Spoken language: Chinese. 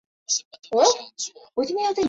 我在找饮水机